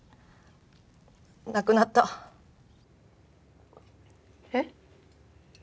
亡くなったえっ？